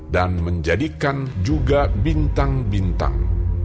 dan menjadikan juga bintang bintang